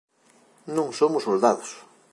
Non somos soldados.